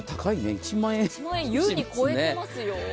１万円、優に超えていますよ。